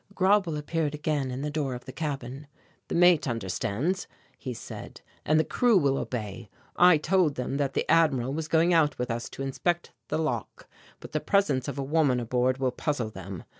Grauble appeared again in the door of the cabin. "The mate understands," he said, "and the crew will obey. I told them that the Admiral was going out with us to inspect the lock. But the presence of a woman aboard will puzzle them.